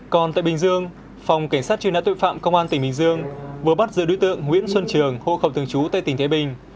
còn tại bình dương phòng cảnh sát truy nã tội phạm công an tỉnh bình dương vừa bắt giữ đối tượng nguyễn xuân trường hộ khẩu thường trú tại tỉnh thái bình